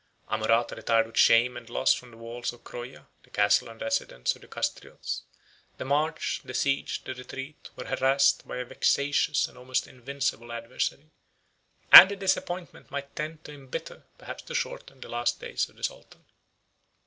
40 Amurath retired with shame and loss from the walls of Croya, the castle and residence of the Castriots; the march, the siege, the retreat, were harassed by a vexatious, and almost invisible, adversary; 41 and the disappointment might tend to imbitter, perhaps to shorten, the last days of the sultan.